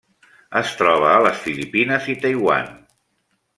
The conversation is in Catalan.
Es troba a les Filipines i Taiwan.